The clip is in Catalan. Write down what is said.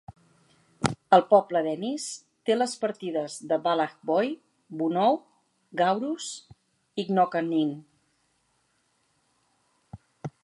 El poble d'Ennis té les partides de Ballaghboy, Bunnow, Gaurus i Knockanean.